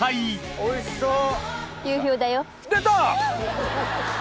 おいしそう！